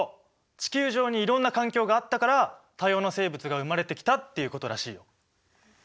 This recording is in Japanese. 地球上にいろんな環境があったから多様な生物が生まれてきたっていうことらしいよ。